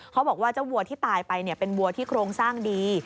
เขาบอกว่าเจ้าวัวที่ตายไปเป็นวัวที่โครงสร้างดี